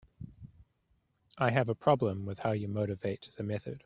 I have a problem with how you motivate the method.